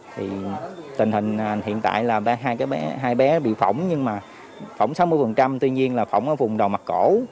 thì tình hình hiện tại là hai bé bị phỏng nhưng mà phỏng sáu mươi tuy nhiên là phỏng ở vùng đầu mặt cổ